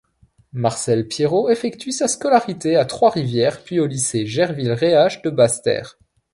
Marcelle Pierrot effectue sa scolarité à Trois-Rivières puis au Lycée Gerville-Réache de Basse-Terre.